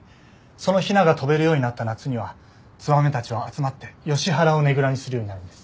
そのヒナが飛べるようになった夏にはツバメたちは集まってヨシ原をねぐらにするようになるんです。